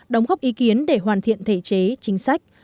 đóng góp ý kiến để hoàn thiện thể chế chính sách